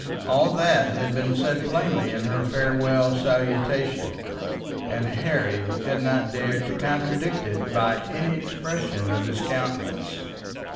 All that had been said plainly in her farewell salutation, and Harry had not dared to contradict it by any expression of his countenance.